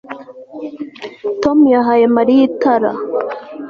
Tom yahaye Mariya itara